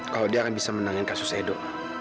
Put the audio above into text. kalau dia akan bisa menangin kasus edo